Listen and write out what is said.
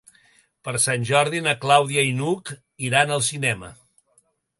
Per Sant Jordi na Clàudia i n'Hug iran al cinema.